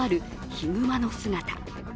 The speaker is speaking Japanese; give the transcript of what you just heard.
ヒグマの姿。